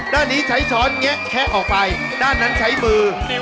ด้านนี้ใช้ช้อนแงะแคะออกไปด้านนั้นใช้มือ